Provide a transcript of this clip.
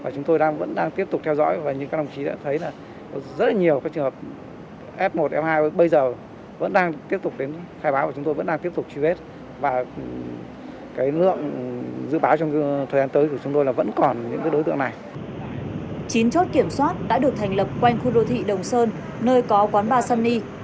chính chốt kiểm soát đã được thành lập quanh khu đô thị đồng sơn nơi có quán bar sunny